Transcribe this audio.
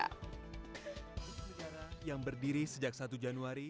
kredit yang diberikan secara bersama oleh lebih dari satu bank kepada debit modal kerja